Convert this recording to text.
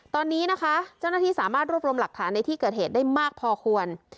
ตอนนี้นะคะเจ้าหน้าที่สามารถรวบรวมหลักฐานในที่เกิดเหตุได้มากพอควร